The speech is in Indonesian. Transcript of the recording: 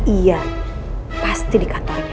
iya pasti di kantornya